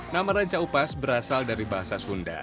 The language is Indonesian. nama ranca upas berasal dari bahasa sunda